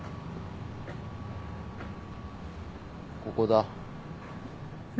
ここだ。